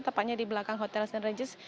tepatnya di belakang hotel st regis